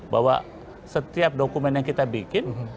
bahwa setiap dokumen yang kita bikin